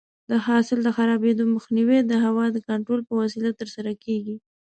د حاصل د خرابېدو مخنیوی د هوا د کنټرول په وسیله ترسره کېږي.